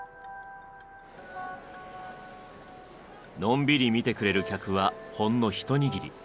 のんびり見てくれる客はほんの一握り。